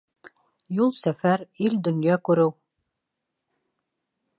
Юл-сәфәр, ил-донъя күреү